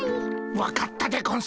分かったでゴンス。